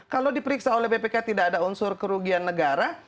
kalau diperiksa oleh bpk tidak ada unsur kerugian negara